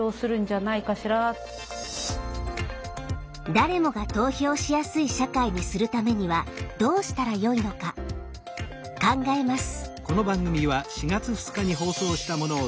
誰もが投票しやすい社会にするためにはどうしたらよいのか考えます。